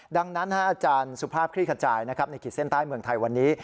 ดังนั้นอาจารย์สุภาพคลี่ขจายในขีดเส้นใต้เมืองไทยวันนี้